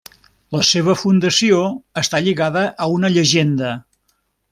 La seva fundació està lligada a una llegenda.